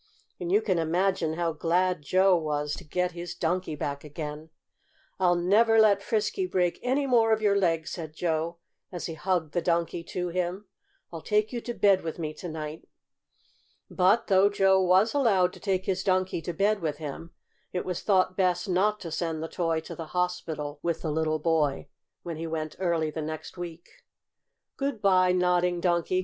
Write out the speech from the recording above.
And you can imagine how glad Joe was to get his Donkey back again. "I'll never let Frisky break any more of your legs," said Joe, as he hugged the Donkey to him. "I'll take you to bed with me to night." But though Joe was allowed to take his Donkey to bed with him, it was thought best not to send the toy to the hospital with the little boy, when he went early the next week. "Good by, Nodding Donkey!"